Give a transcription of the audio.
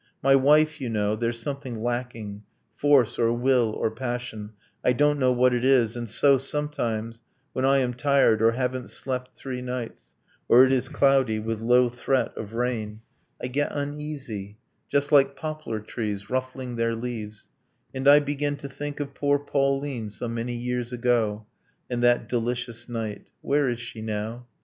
My wife, you know, There's something lacking force, or will, or passion, I don't know what it is and so, sometimes, When I am tired, or haven't slept three nights, Or it is cloudy, with low threat of rain, I get uneasy just like poplar trees Ruffling their leaves and I begin to think Of poor Pauline, so many years ago, And that delicious night. Where is she now?